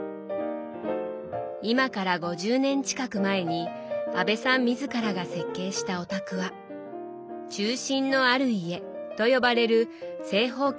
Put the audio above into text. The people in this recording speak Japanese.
今から５０年近く前に阿部さん自らが設計したお宅は「中心のある家」と呼ばれる正方形の二重構造。